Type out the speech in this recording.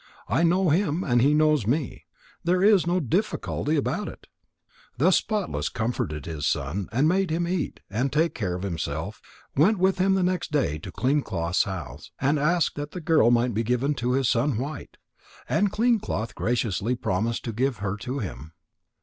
I know him and he knows me. So there is no difficulty about it." Thus Spotless comforted his son, made him eat and take care of himself, went with him the next day to Clean cloth's house, and asked that the girl might be given to his son White. And Clean cloth graciously promised to give her to him.